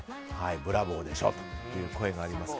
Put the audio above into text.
ブラボーでしょという声がありますが。